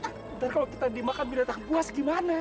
ntar kalau kita dimakan binatang buas gimana